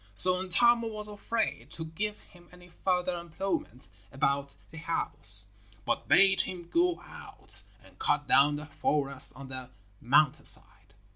So Untamo was afraid to give him any further employment about the house, but bade him go out and cut down the forest on the mountain side.